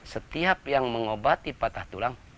setiap yang mengobati patah tulang